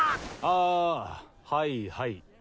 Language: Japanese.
あはいはい。